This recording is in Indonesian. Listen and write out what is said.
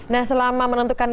nah selama menentukan